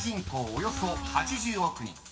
およそ８０億人］